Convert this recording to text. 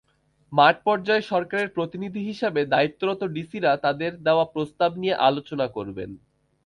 মাঠপর্যায়ে সরকারের প্রতিনিধি হিসেবে দায়িত্বরত ডিসিরা তাঁদের দেওয়া প্রস্তাব নিয়ে আলোচনা করবেন।